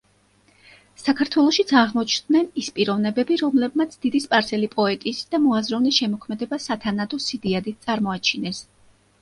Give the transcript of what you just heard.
საქართველოშიც აღმოჩნდნენ ის პიროვნებები, რომლებმაც დიდი სპარსელი პოეტის და მოაზროვნის შემოქმედება სათანადო სიდიადით წარმოაჩინეს.